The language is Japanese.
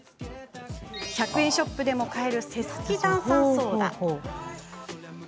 １００円ショップでも買えるセスキ炭酸ソーダです。